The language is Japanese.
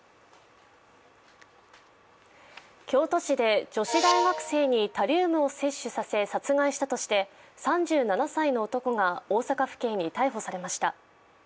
京都市で女子大学生にタリウムを摂取させ殺害したとして３７歳の男が大阪府警に逮捕されました。